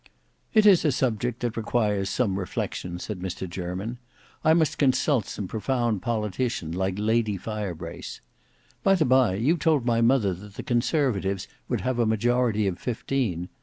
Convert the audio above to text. "It is a subject that requires some reflection," said Mr Jermyn. "I must consult some profound politician like Lady Firebrace. By the bye, you told my mother that the conservatives would have a majority of fifteen.